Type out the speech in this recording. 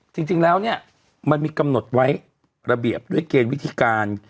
จริงแล้วเนี่ยมันมีกำหนดไว้ระเบียบด้วยเกณฑ์วิธีการ